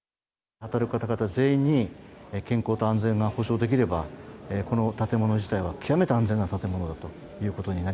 働く方々全員に健康と安全が保障できれば、この建物自体が極めて安全な建物だということにな